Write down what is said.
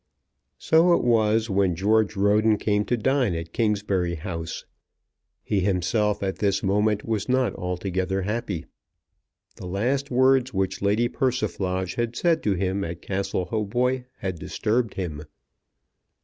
So it was when George Roden came to dine at Kingsbury House. He himself at this moment was not altogether happy. The last words which Lady Persiflage had said to him at Castle Hautboy had disturbed him.